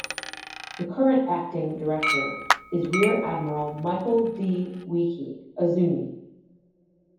The current Acting-Director is Rear Admiral Michael D. Weahkee, a Zuni.